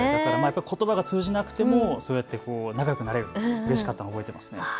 ことばが通じなくても仲よくなれる、うれしかったのを覚えています。